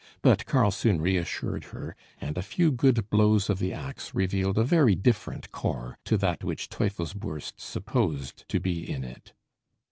But Karl soon reassured her; and a few good blows of the axe revealed a very different core to that which Teufelsbürst supposed to be in it.